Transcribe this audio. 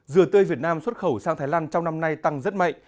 dừa tươi việt nam xuất khẩu sang thái lan trong năm nay tăng rất mạnh